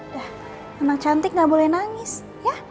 dah anak cantik gak boleh nangis ya